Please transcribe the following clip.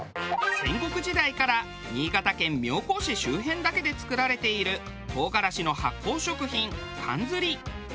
戦国時代から新潟県妙高市周辺だけで作られている唐辛子の発酵食品かんずり。